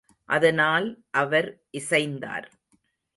அதனால் அவர் இசைந்தார்.